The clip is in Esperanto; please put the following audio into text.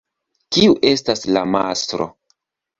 Kiu estas la mastro?